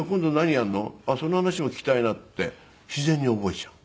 あっその話も聴きたいな」って自然に覚えちゃうの。